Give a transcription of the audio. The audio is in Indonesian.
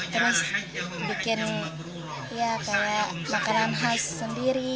terus bikin ya kayak makanan khas sendiri